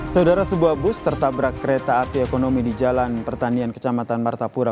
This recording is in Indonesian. saudara sebuah bus tertabrak kereta api ekonomi di jalan pertanian kecamatan martapura